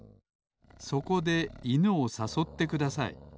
そこでいぬをさそってください